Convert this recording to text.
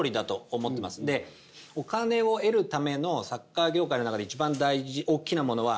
お金を得るためのサッカー業界の中で一番大事おっきなものは。